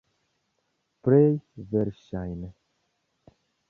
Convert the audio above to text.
Plej verŝajne.